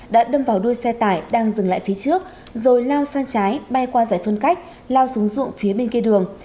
đã đâm vào đuôi xe tải đang dừng lại phía trước rồi lao sang trái bay qua giải phân cách lao xuống ruộng phía bên kia đường